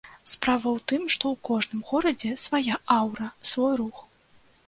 Справа ў тым, што ў кожным горадзе свая аўра, свой рух.